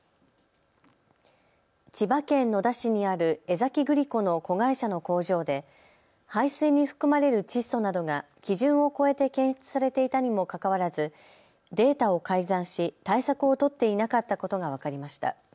千葉県野田市にある江崎グリコの子会社の工場で排水に含まれる窒素などが基準を超えて検出されていたにもかかわらずデータを改ざんし対策を取っていなかったことが分かりました。